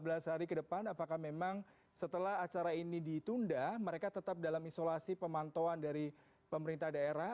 empat belas hari ke depan apakah memang setelah acara ini ditunda mereka tetap dalam isolasi pemantauan dari pemerintah daerah